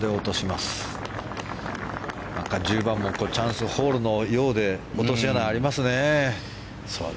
また１０番もチャンスホールのようで落とし穴がありますね。